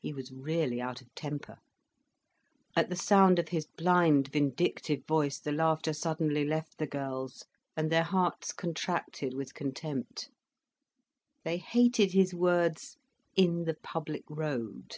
He was really out of temper. At the sound of his blind, vindictive voice, the laughter suddenly left the girls, and their hearts contracted with contempt. They hated his words "in the public road."